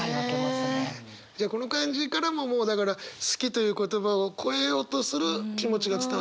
じゃあこの漢字からももうだから「好き」という言葉をこえようとする気持ちが伝わってくるんだ？